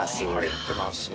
入ってますね。